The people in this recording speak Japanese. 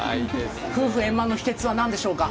夫婦円満の秘けつは何でしょうか。